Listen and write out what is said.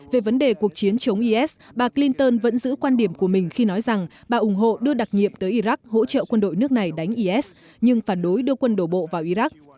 về vấn đề cuộc chiến chống is bà clinton vẫn giữ quan điểm của mình khi nói rằng bà ủng hộ đưa đặc nhiệm tới iraq hỗ trợ quân đội nước này đánh is nhưng phản đối đưa quân đổ bộ vào iraq